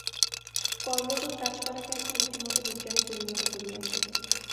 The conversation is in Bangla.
কর্মযোগ কাজ করাকে একটি রীতিমত বিজ্ঞানে পরিণত করিয়াছে।